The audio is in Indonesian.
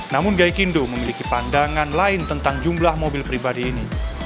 namun gaikindo memiliki pandangan lain tentang jumlah mobil pribadi ini